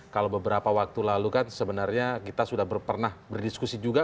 kalau beberapa waktu lalu kan sebenarnya kita sudah pernah berdiskusi juga